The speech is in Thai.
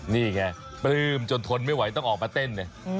นี่ไงปลื้มจนทนไม่ไหวต้องออกมาเต้นเนี่ย